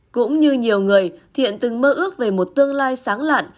cũng như nhiều người thiện từng mơ ước về một tương lai sáng lạn